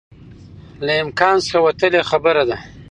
له امکان څخه وتلی خبره ده